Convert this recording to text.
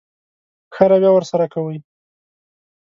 ښه رويه ورسره کوئ.